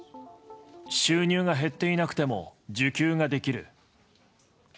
収入が減っていなくても、受給ができる。